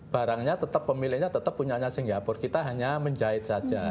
barangnya tetap pemilihnya tetap punyanya singapura kita hanya menjahit saja